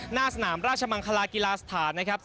หน้าสนามราชมังคลากีฬาสถานนะครับ